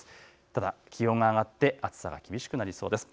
ただ気温が上がって暑さ、厳しくなりそうです。